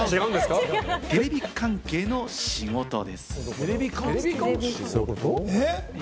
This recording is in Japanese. テレビ関係の仕事です。